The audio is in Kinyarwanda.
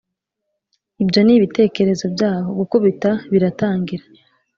ibyo nibitekerezo byabo, gukubita biratangira.